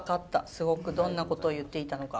すごくどんなことを言っていたのか。